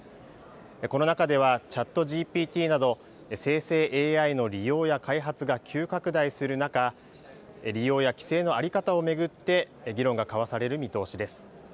この中ではＣｈａｔＧＰＴなど生成ＡＩの利用や開発が急拡大する中、利用や規制の在り方を巡って議論が交わされる見通しです。